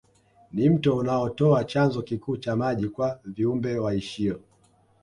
Ni mto unaotoa chanzo kikuu cha maji kwa viumbe waishio